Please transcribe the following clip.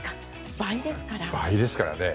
倍ですからね。